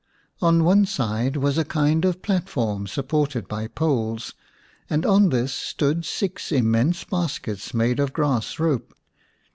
On one side was a kind of platform supported by poles, and on this stood six immense baskets made of grass rope.